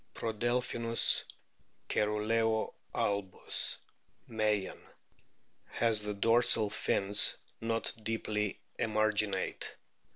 Prodelphinus cceruleo albus, Meyen,t has the dorsal fins not deeply emarginate.